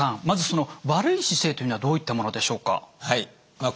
まずその悪い姿勢というのはどういったものでしょうか？